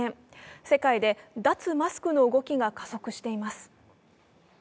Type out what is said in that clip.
世界で脱マスクの動きが加速しています。